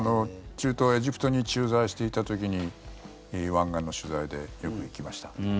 中東エジプトに駐在していた時に湾岸の取材でよく行きました。